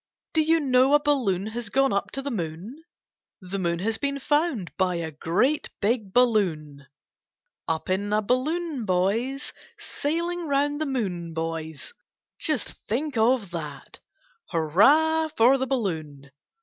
Do you know a balloon Has gone up to the moon ! The moon has been found By a great, big balloon. ' Up in a balloon, boys. Sailing round the moon, boys.' Just think of that ! Hurrah for the balloon